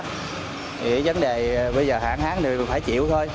vì vấn đề bây giờ hạn hán thì phải chịu thôi